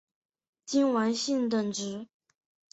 金丸信等职。